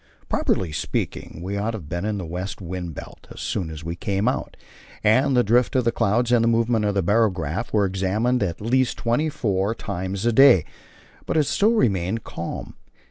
Properly speaking, we ought to have been in the west wind belt as soon as we came out, and the drift of the clouds and movement of the barograph were examined at least twenty four times a day, but it still remained calm.